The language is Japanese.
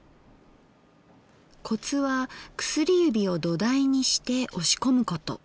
コツは薬指を土台にして押し込むこと。